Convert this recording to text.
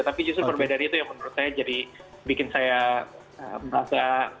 tapi justru perbedaan itu yang menurut saya jadi bikin saya merasa